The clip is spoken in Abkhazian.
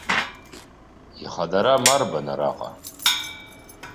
Ихыдарам арбан араҟа.